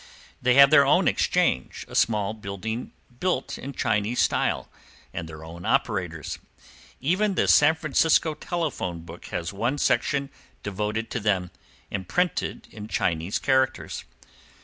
They have their own exchange, a small building built in Chinese style, and their own operators. Even the San Francisco telephone book has one section devoted to them, and printed in Chinese characters.